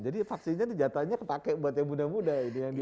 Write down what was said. jadi vaksinnya jatuhannya ketakek buat yang muda muda